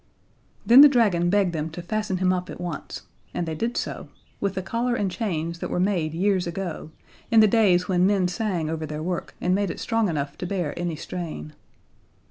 Then the dragon begged them to fasten him up at once, and they did so: with the collar and chains that were made years ago in the days when men sang over their work and made it strong enough to bear any strain.